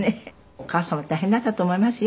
お母様も大変だったと思いますよ」